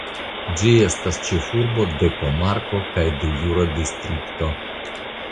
Ĝi estas ĉefurbo de komarko kaj de jura distrikto.